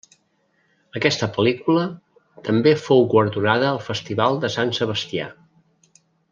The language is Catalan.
Aquesta pel·lícula també fou guardonada al festival de Sant Sebastià.